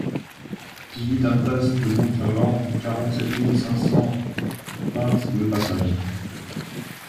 dix-huit impasse de Montherlant, quarante-sept mille cinq cent vingt Le Passage